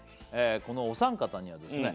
このお三方にはですね